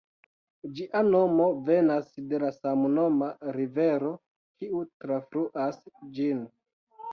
Ĝia nomo venas de la samnoma rivero, kiu trafluas ĝin.